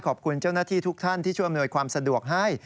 ขอบคุณเจ้าหน้าที่ทุกท่านที่ช่วยอำนวยความสะดวกให้